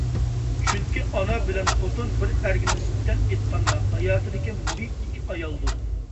چۈنكى، ئانا بىلەن خوتۇن بىر ئەرگە نىسبەتەن ئېيتقاندا ھاياتىدىكى مۇھىم ئىككى ئايال.